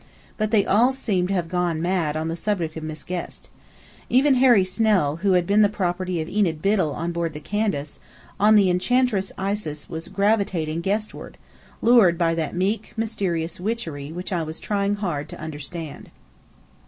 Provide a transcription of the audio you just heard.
But they all seemed to have gone mad on the subject of Miss Guest. Even Harry Snell, who had been the property of Enid Biddell on board the Candace, on the Enchantress Isis was gravitating Guest ward, lured by that meek, mysterious witchery which I was trying hard to understand.